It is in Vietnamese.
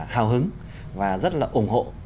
hào hứng và rất là ủng hộ